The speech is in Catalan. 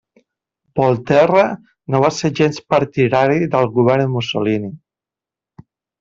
Volterra no va ser gens partidari del govern Mussolini.